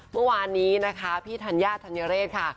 เมื่อวานนี้นะคะพี่ธัญญาธัญเรศค่ะ